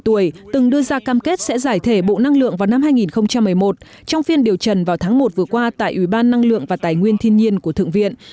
ba mươi tuổi từng đưa ra cam kết sẽ giải thể bộ năng lượng vào năm hai nghìn một mươi một trong phiên điều trần vào tháng một vừa qua tại ủy ban năng lượng và tài nguyên thiên nhiên của thượng viện